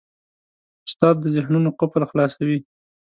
استاد د ذهنونو قفل خلاصوي.